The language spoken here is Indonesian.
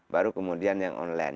baru kemudian yang online